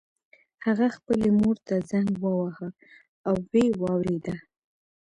هغه خپلې مور ته زنګ وواهه او ويې واورېده.